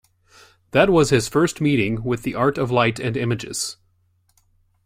That was his first meeting with the art of light and images.